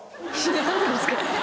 何でですか？